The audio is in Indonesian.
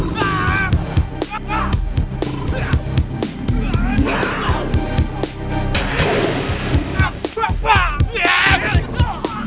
maafin aku yang gak bisa jagain kamu